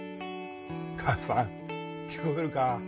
母さん聞こえるか？